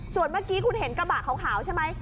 ส่วนเมื่อกี้คุณเห็นกระบะขาวใช่ไหม